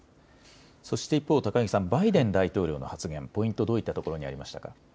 そして一方、高木さん、バイデン大統領の発言、ポイント、どういったところにありましたか。